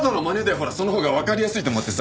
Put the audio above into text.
ほらそのほうがわかりやすいと思ってさ。